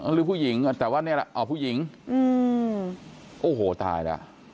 หรือผู้หญิงแต่ว่านี่แหละผู้หญิงโอ้โหตายแล้ว